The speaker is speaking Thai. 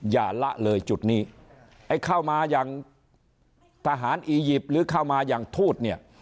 ละเลยจุดนี้ไอ้เข้ามาอย่างทหารอียิปต์หรือเข้ามาอย่างทูตเนี่ย